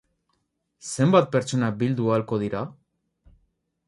Zenbat pertsona bildu ahalko dira?